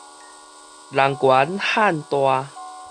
人懸漢大